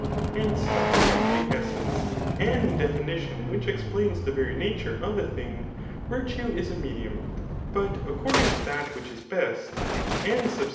Hence, according to essence, and the defini* don which ^^lains the very nature of a thing, virtue is a medium; but according to th^t which is best, and sub Digitized.